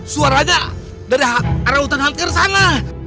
suaranya dari arah hutan hangkir sana